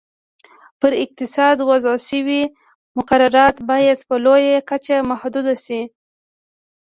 پر اقتصاد وضع شوي مقررات باید په لویه کچه محدود شي.